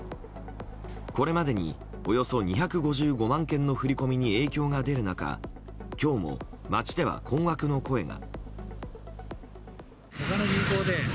これまでにおよそ２５５万件の振り込みに影響が出る中、今日も街では困惑の声が。